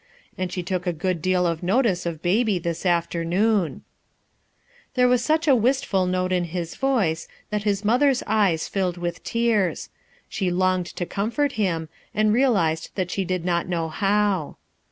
And .she took a good deal of notice of Baby this after noon/' There was such a wistful note in his voice that his mother's eyes filled with tears; fche longed to comfort him, and realized that she did not know how.